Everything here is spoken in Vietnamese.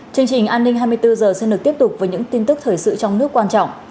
chương trình an ninh hai mươi bốn h xin được tiếp tục với những tin tức thời sự trong nước quan trọng